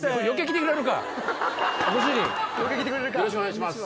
よろしくお願いします。